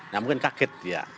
nah mungkin kaget ya